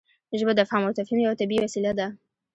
ژبه د افهام او تفهیم یوه طبیعي وسیله ده.